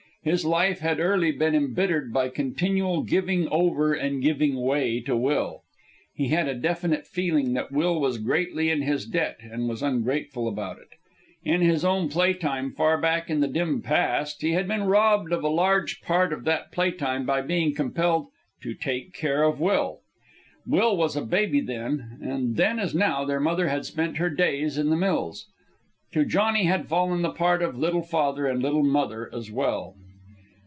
His life had early been embittered by continual giving over and giving way to Will. He had a definite feeling that Will was greatly in his debt and was ungrateful about it. In his own playtime, far back in the dim past, he had been robbed of a large part of that playtime by being compelled to take care of Will. Will was a baby then, and then, as now, their mother had spent her days in the mills. To Johnny had fallen the part of little father and little mother as well.